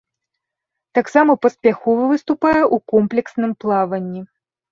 Таксама паспяхова выступае ў комплексным плаванні.